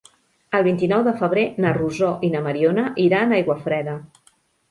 El vint-i-nou de febrer na Rosó i na Mariona iran a Aiguafreda.